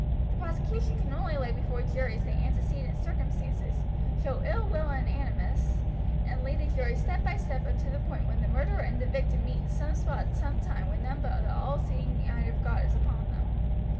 The prosecution can only lay before juries the antecedent circumstances, show ill will and animus, and lead the jury step by step up to the point when the murderer and the victim meet in some spot at some time when none but the all seeing eye of God is upon them.